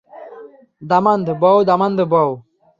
দামান্দ বও দামান্দ বও।